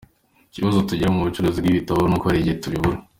Ikibazo tugira mu bucuruzi bw’ ibitabo ni uko hari igihe tubibura